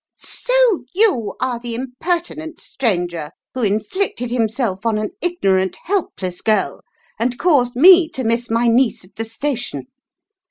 "So you are the impertinent stranger who inflicted himself on an ignorant, helpless girl, and caused me to miss my niece at the station.